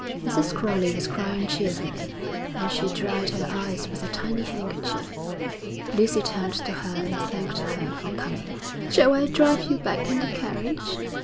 Mrs. Crowley was crying cheerfully, and she dried her eyes with a tiny handkerchief. Lucy turned to her and thanked her for coming. 'Shall I drive you back in the carriage?'